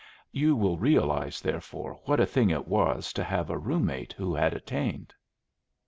You will realize, therefore, what a thing it was to have a room mate who had attained.